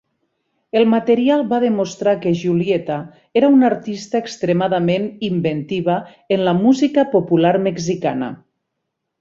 El material va demostrar que Julieta era una artista extremadament inventiva en la música popular mexicana.